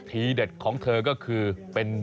ทีเด็ดของเธอก็คือเป็น